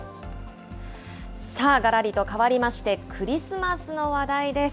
さあ、がらりと変わりましてクリスマスの話題です。